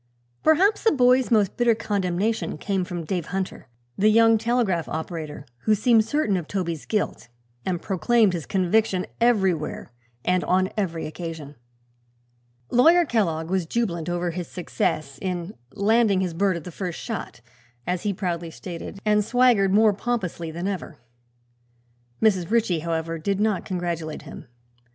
Perhaps the boy's most bitter condemnation came from Dave Hunter, the young telegraph operator, who seemed certain of Toby's guilt and proclaimed his conviction everywhere and on every occasion. Lawyer Kellogg was jubilant over his success in "landing his bird at the first shot," as he proudly stated, and swaggered more pompously than ever. Mrs. Ritchie, however did not congratulate him.